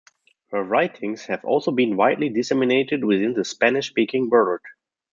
Her writings have also been widely disseminated within the Spanish-speaking world.